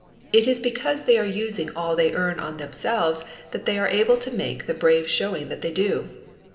It is because they are using all they earn on themselves that they are able to make the brave showing that they do.